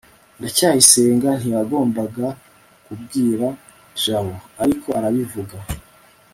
ndacyayisenga ntiyagombaga kubwira jabo, ariko arabivuga